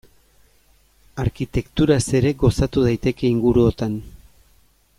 Arkitekturaz ere gozatu daiteke inguruotan.